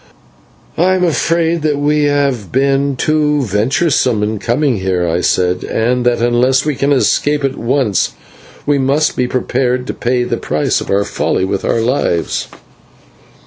"I am afraid that we have been too venturesome in coming here," I said, "and that unless we can escape at once we must be prepared to pay the price of our folly with our lives."